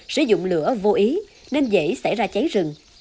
sử dụng lửa vô ý nên dễ xảy ra cháy rừng